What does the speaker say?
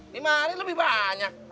di maria lebih banyak